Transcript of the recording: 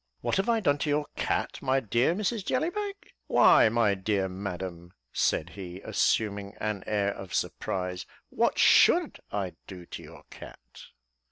"What have I done to your cat, my dear Mrs Jellybag? Why, my dear Madam" (said he, assuming an air of surprise), "what should I do to your cat?"